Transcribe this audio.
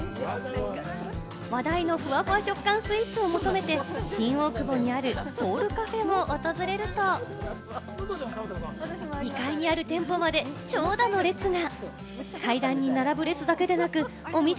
話題のふわふわ食感スイーツを求めて、新大久保にあるソウルカフェを訪れると、２階にある店舗まで長蛇の列が。